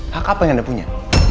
hak apa yang anda punya